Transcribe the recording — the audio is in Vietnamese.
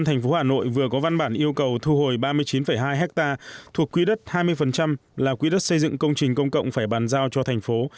cụ thể chủ tịch ubnd tp hà nội vừa có văn bản yêu cầu thu hồi ba mươi chín hai hectare thuộc quý đất hai mươi là quý đất xây dựng công trình công cộng phải bàn giao cho thành phố